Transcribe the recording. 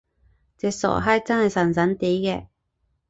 隻傻閪真係神神地嘅！